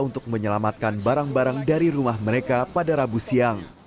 untuk menyelamatkan barang barang dari rumah mereka pada rabu siang